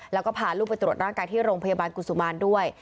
แล้วก็พาลูกไปตรวจร่างกายที่โรงพยาบาลกุศุมารด้วย